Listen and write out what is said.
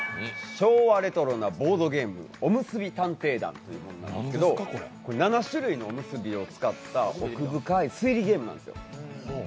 昭和レトロなボードゲーム「おむすび探偵団」というものなんですけどこれ、７種類のおむすびを使った奥深い推理ゲームなんですよ。